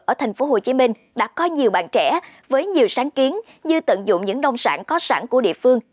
ở tp hcm đã có nhiều bạn trẻ với nhiều sáng kiến như tận dụng những nông sản có sẵn của địa phương